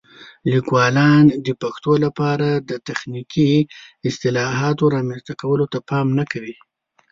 لیکوالان د پښتو لپاره د تخنیکي اصطلاحاتو رامنځته کولو ته پام نه کوي.